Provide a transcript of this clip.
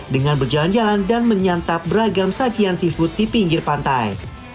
dengan berjalan jalan dan menyantap beragam sajian seafood di pinggir pantai